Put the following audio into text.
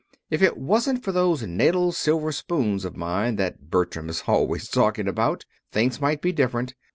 If it wasn't for those natal silver spoons of mine that Bertram is always talking about, things might be different.